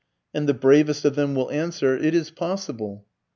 And the bravest of them answer, "It is possible."